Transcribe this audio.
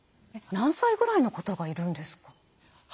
何歳ぐらいの方がいるんですか？